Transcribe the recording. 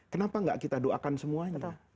kenapa gak kita doakan semuanya